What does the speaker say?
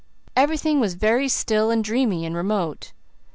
Everything was very still and dreamy and remote.